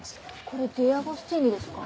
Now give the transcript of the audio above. これデアゴスティーニですか？